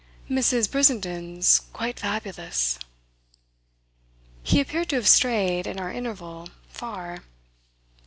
"Mrs. Brissenden's quite fabulous." He appeared to have strayed, in our interval, far.